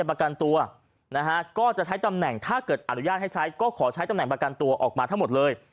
ประกันตัวนะฮะก็จะใช้ตำแหน่งถ้าเกิดอนุญาตให้ใช้ก็ขอใช้ตำแหน่งประกันตัวออกมาทั้งหมดเลย